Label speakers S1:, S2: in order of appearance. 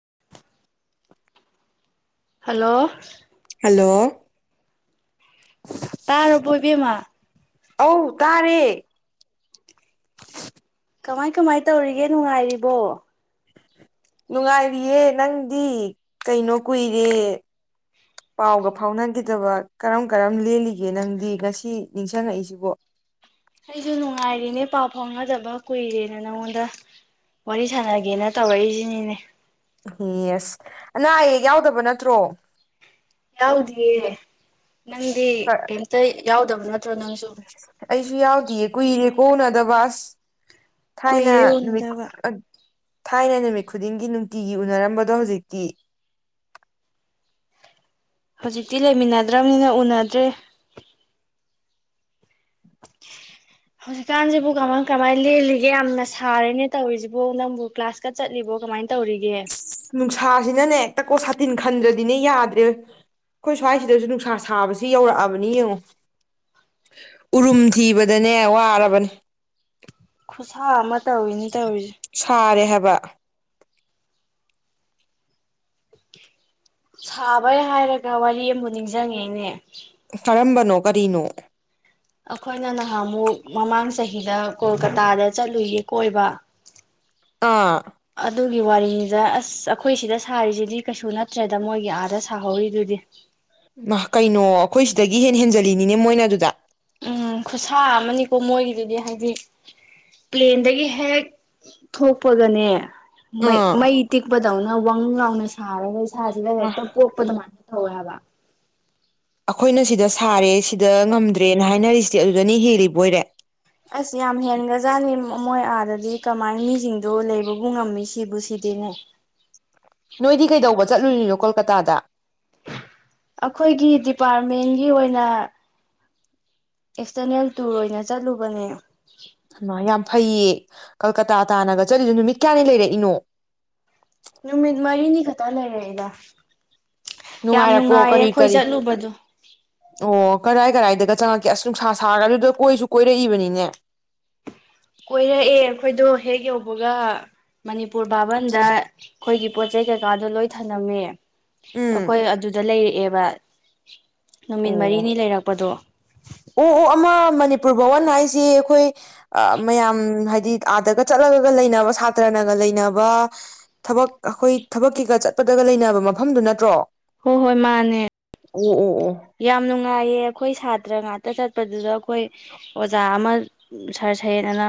S1: [inaudible]
S2: hello
S1: hello
S2: ꯇꯥꯔꯕꯣ ꯏꯕꯦꯃꯥ
S1: ꯑꯧ ꯇꯥꯔꯦ
S2: ꯀꯃꯥꯏ ꯀꯃꯥꯏ ꯇꯧꯔꯤꯒꯦ ꯅꯨꯡꯉꯥꯏꯔꯤꯕꯣ
S1: ꯅꯨꯡꯉꯥꯏꯔꯤꯌꯦ ꯅꯪꯗꯤ ꯀꯩꯅꯣ ꯀꯨꯏꯔꯦ ꯄꯥꯎꯒ ꯐꯥꯎꯅꯈꯤꯗꯕ ꯀꯔꯝ ꯀꯔꯝ ꯂꯦꯜꯂꯤꯒꯦ ꯅꯪꯗꯤ ꯉꯁꯤ ꯅꯤꯡꯁꯤꯡꯉꯛꯏꯁꯤꯕꯣ
S2: ꯑꯩꯁꯨ ꯅꯨꯡꯉꯥꯏꯔꯤꯅꯦ ꯄꯥꯎ ꯐꯥꯎꯅꯗꯕ ꯀꯨꯏꯔꯦꯅ ꯅꯉꯣꯟꯗ ꯋꯥꯔꯤ ꯁꯥꯟꯅꯒꯦꯅ ꯇꯧꯔꯛꯏꯁꯤꯅꯤꯅꯦ
S1: ꯌꯦꯁ ꯑꯅꯥ ꯑꯌꯦꯛ ꯌꯥꯎꯗꯕ ꯅꯠꯇ꯭ꯔꯣ
S2: ꯌꯥꯎꯗꯑ ꯅꯪꯗꯤꯇ ꯌꯥꯎꯗꯕꯅ ꯇꯅꯁꯨ
S1: ꯨ ꯌꯥꯎꯗꯤꯌꯦ ꯀꯨꯏꯔꯦ ꯀꯣ ꯎꯅꯗꯕꯥꯁ ꯊꯥꯏꯅ
S2: ꯀꯨꯏꯔꯦ
S1: ꯅꯨꯃꯤꯠ
S2: ꯎꯅꯗꯕ
S1: ꯊꯥꯏꯅ ꯅꯨꯃꯤꯠ ꯈꯨꯗꯤꯡꯒꯤ ꯅꯨꯡꯇꯤꯒꯤ ꯎꯅꯔꯝꯕꯗꯣ ꯍꯧꯖꯤꯛꯇꯤ
S2: ꯍꯧꯖꯤꯛꯇꯤ ꯂꯩꯃꯤꯟꯅꯗ꯭ꯔꯕꯅꯤꯅ ꯎꯅꯗ꯭ꯔꯦ
S1: [inaudible]
S2: ꯍꯧꯖꯤꯛꯀꯥꯟꯁꯤꯕꯨ ꯀꯃꯥꯏ ꯀꯃꯥꯏꯅ ꯂꯦꯜꯂꯤꯒꯦ ꯌꯥꯝꯅ ꯁꯥꯔꯦꯅꯦ ꯇꯧꯔꯤꯁꯤꯕꯣ ꯅꯪꯕꯨ ꯀ꯭ꯂꯥꯁꯀ ꯆꯠꯂꯤꯕꯣ ꯀꯃꯥꯏꯅ ꯇꯧ
S1: ꯅꯨꯡꯁꯥꯁꯤꯅꯅꯦ ꯍꯦꯛꯇ ꯀꯣ ꯁꯥꯇꯤꯟ ꯈꯟꯗ꯭ꯔꯗꯤꯅꯦ ꯌꯥꯗ꯭ꯔꯦ ꯑꯩꯈꯣꯏ ꯁ꯭ꯋꯥꯏꯁꯤꯗꯁꯨ ꯅꯨꯡꯁꯥ ꯁꯥꯕꯁꯤ ꯌꯧꯔꯛꯑꯕꯅꯤ ꯌꯦꯡꯉꯣ ꯎꯔꯨꯝ ꯊꯤꯕꯗꯅꯦ ꯋꯥꯔꯕꯅꯦ
S2: ꯈꯨꯁꯃꯠ ꯇꯧꯏꯅꯤ ꯇꯧꯏ
S1: ꯋꯥ
S2: ꯁꯥꯕꯩ ꯍꯥꯏꯔꯒ ꯋꯥꯔꯤ ꯑꯃꯨ ꯅꯤꯡꯁꯤꯡꯉꯦꯅꯦ
S1: ꯀꯔꯝꯕꯅꯣ ꯀꯔꯤꯅꯣ
S2: ꯑꯩꯈꯣꯏꯅ ꯅꯍꯥꯃꯨꯛ ꯃꯃꯥꯡ ꯆꯍꯤꯗ ꯀꯣꯜꯀꯇꯥꯗ ꯆꯠꯂꯨꯌꯦ ꯀꯣꯏꯕ
S1: ꯑꯥ
S2: ꯑꯗꯨꯒꯤ ꯋꯥꯔꯤꯅꯤꯗ ꯑꯁ ꯑꯩꯈꯣꯏ ꯁꯤꯗ ꯁꯥꯔꯤꯁꯤꯗꯤ ꯀꯩꯁꯨ ꯅꯠꯇ꯭ꯔꯦꯗ ꯃꯣꯏꯒꯤ ꯑꯥꯗ ꯁꯥꯍꯧꯔꯤꯗꯨꯗꯤ
S1: ꯀꯩꯅꯣ ꯑꯩꯈꯣꯏ ꯁꯤꯗꯒꯤ ꯍꯦ ꯍꯦꯟꯖꯜꯂꯤꯅꯤꯅꯦ ꯃꯣꯏꯅ ꯑꯗꯨꯗ
S2: ꯎꯝ ꯈꯨꯠꯁꯥ ꯑꯃꯅꯤꯀꯣ ꯃꯣꯏꯒꯤꯗꯨꯗꯤ ꯍꯥꯏꯗꯤ ꯄ꯭ꯂꯦꯟꯗꯒꯤ ꯍꯦꯛ ꯊꯣꯛꯄꯒꯅꯦ ꯃ
S1: ꯑꯥ
S2: ꯃ ꯏꯇꯦꯛꯕꯗꯥꯅ ꯋꯥ ꯂꯥꯎꯅ ꯁꯥꯔꯒ ꯁꯥꯖꯔ
S1: ꯃꯥ
S2: ꯍꯥꯏꯦꯛꯇ ꯄꯣꯞꯄꯗꯃꯥꯟ ꯍꯕ
S1: ꯑꯩꯈꯣꯏꯅ ꯁꯤꯗ ꯁꯥꯔꯦ ꯁꯤꯗ ꯉꯝꯗ꯭ꯔꯦꯅ ꯍꯥꯏꯅꯔꯤꯁꯤꯗꯤ ꯑꯗꯨꯗꯅꯤ ꯍꯦꯜꯂꯤꯕ ꯑꯣꯏꯔꯦ
S2: ꯑꯣꯖꯥꯅꯤ ꯃꯣꯏ ꯑꯥꯗꯗꯤ ꯀꯃꯥꯏ ꯃꯤꯁꯤꯡꯗꯣ ꯂꯩꯕꯕꯨ ꯉꯝꯃꯤ ꯁꯤꯕꯨ ꯁꯤꯗꯤꯅꯦ
S1: ꯅꯣꯏꯗꯤ ꯀꯩꯗꯧꯕ ꯆꯠꯂꯨꯔꯤꯅꯣ ꯀꯣꯜꯀꯇꯥꯗ
S2: ꯑꯩꯈꯣꯏꯒꯤ ꯗꯤꯄꯥꯔꯠꯃꯦꯟꯒꯤ ꯑꯣꯏꯅ ꯑꯦꯛꯁꯇꯔꯅꯦꯜ ꯇꯨꯔ ꯑꯣꯏꯅ ꯆꯠꯂꯨꯕꯅꯦ
S1: ꯌꯥꯝ ꯐꯩꯌꯦ ꯀꯜꯀꯇꯥ ꯇꯥꯅꯒ ꯆꯠꯂꯤꯗꯨ ꯅꯨꯃꯤꯠ ꯀꯌꯥꯅꯤ ꯂꯩꯔꯛꯏꯅꯣ
S2: ꯇꯅꯦꯅꯦꯗ
S1: ꯅꯨꯡꯉꯥꯏꯔꯛꯄꯣ ꯀꯔꯤ ꯀꯔꯤ ꯑꯣ ꯀꯔꯥꯏ ꯀꯔꯏꯗꯒ ꯆꯪꯉꯛꯀꯦ ꯑꯁ ꯅꯨꯡꯁꯥ ꯁꯥꯔ ꯑꯗꯨꯗ ꯀꯣꯏꯁꯨ ꯀꯣꯏꯔꯛꯏꯕꯅꯤꯅꯦ
S2: ꯀꯣꯏꯔꯛꯑꯦ ꯑꯩꯈꯣꯏꯗꯣ ꯍꯦꯛ ꯌꯧꯕꯒꯅꯤ ꯄꯨꯔꯕꯥꯕꯟꯗ ꯑꯩꯈꯣꯏꯒꯤ ꯄꯣꯠ ꯆꯩ ꯀꯩꯀꯥꯗꯣ ꯂꯣꯏ ꯊꯝꯂꯝꯝꯃꯦ
S1: ꯎꯝ
S2: ꯑꯩꯈꯣꯏ ꯑꯗꯨꯗ ꯂꯩꯔꯛꯑꯦꯕ ꯋꯥ ꯅꯨꯃꯤꯠ
S1: ꯑꯣ
S2: ꯃꯔꯤꯅꯤ ꯂꯩꯔꯛꯄꯗꯣ
S1: ꯑꯣ ꯑꯣ ꯑꯃ ꯃꯅꯤꯄꯨꯔ ꯕꯥꯋꯟ ꯍꯥꯏꯁꯤ ꯑꯩꯈꯣꯏ ꯃꯌꯥꯝ ꯍꯥꯏꯗꯤ ꯑꯥꯗꯒ ꯆꯠꯂꯒꯒ ꯂꯩꯅꯕ ꯁꯥꯇ꯭ꯔꯅꯒ ꯂꯩꯅꯕ ꯊꯕꯛ ꯑꯩꯈꯣꯏ ꯊꯕꯛ ꯀꯩꯒ ꯆꯠꯄꯗꯒ ꯂꯩꯅꯕ ꯃꯐꯝꯗꯨ ꯅꯠꯇ꯭ꯔꯣ
S2: ꯍꯣꯏ ꯍꯣꯏ ꯃꯥꯅꯦ
S1: ꯑꯣ ꯑꯣ ꯑꯣ
S2: ꯌꯥꯝ ꯅꯨꯡꯉꯥꯏꯌꯦ ꯑꯩꯈꯣꯏ ꯁꯥꯇ꯭ꯔ ꯉꯇ ꯇ ꯆꯠꯄꯗꯨꯗ ꯑꯩꯈꯣꯏ ꯑꯣꯖꯥ ꯑꯃ ꯁꯥꯔ ꯁꯍꯦꯠ ꯑꯅ